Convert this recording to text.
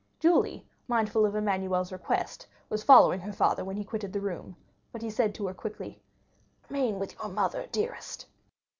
Julie, mindful of Emmanuel's request, was following her father when he quitted the room, but he said to her quickly: "Remain with your mother, dearest."